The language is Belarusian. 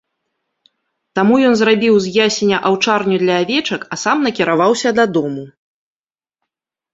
Таму ён зрабіў з ясеня аўчарню для авечак, а сам накіраваўся дадому.